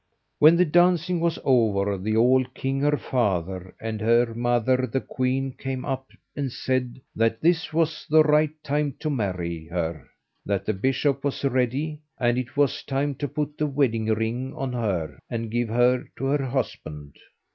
When the dancing was over, the old king, her father, and her mother the queen, came up and said that this was the right time to marry her, that the bishop was ready, and it was time to put the wedding ring on her and give her to her husband.